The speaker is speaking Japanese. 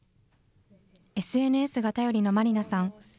ＳＮＳが頼りのマリナさん。